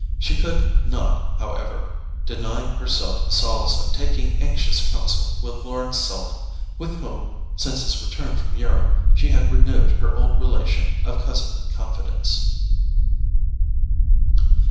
She could not, however, deny herself the solace of taking anxious counsel with Lawrence Selden, with whom, since his return from Europe, she had renewed her old relation of cousinly confidence.